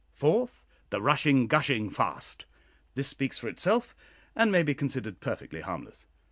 Fourth, "The rushing gushing fast." This speaks for itself, and may be considered perfectly harmless.